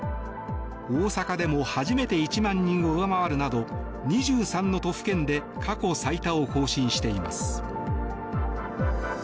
大阪でも初めて１万人を上回るなど２３の都府県で過去最多を更新しています。